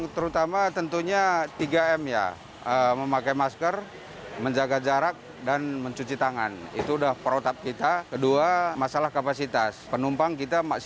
terima kasih bapak